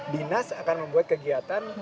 dinas akan membuat kegiatan